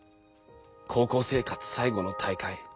高校生活最後の大会